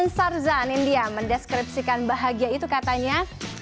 insar zan india mendeskripsikan bahagia itu katanya